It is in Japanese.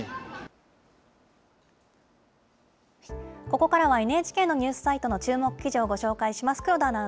ここからはＮＨＫのニュースサイトの注目記事をご紹介します。